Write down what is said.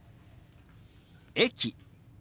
「駅」。